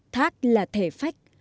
thác là thể phách